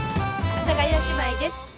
阿佐ヶ谷姉妹です。